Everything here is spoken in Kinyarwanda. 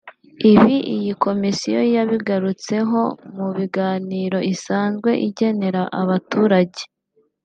Ibi iyi komisiyo yabigarutseho mu biganiro isanzwe igenera abaturage